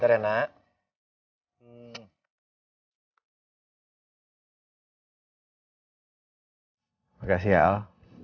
terima kasih ya al